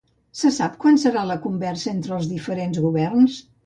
Se sap quan serà la conversa entre els diferents governs?